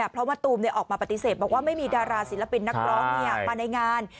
เพราะว่าตูมออกมาปฏิเสธบอกว่าไม่มีดาราศิลปินนักร้องมาในงาน